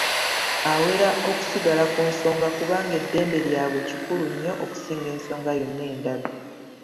Awera okusigala ku nsonga kubanga eddembe lyabwe kikulu nnyo okusinga ensonga yonna endala.